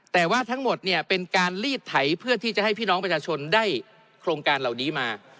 แต่ว่าทั้งหมดเนี่ยเป็นการลีดไถเพื่อที่จะให้พี่น้องประชาชนได้โครงการเหล่านี้มา